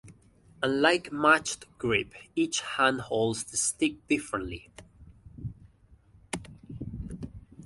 Unlike matched grip, each hand holds the stick differently.